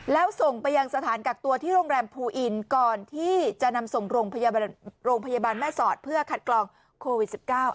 แล้วส่งไปยังสถานกักตัวที่โรงแรมภูอินก่อนที่จะนำส่งโรงพยาบาลแม่สอดเพื่อคัดกรองโควิด๑๙